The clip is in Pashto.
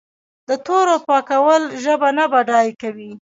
د تورو پاکول ژبه نه بډای کوي.